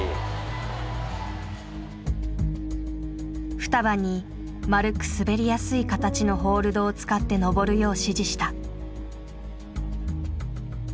ふたばに丸く滑りやすい形のホールドを使って登るよう指示した。